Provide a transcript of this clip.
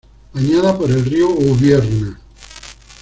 Bañada por el río Ubierna.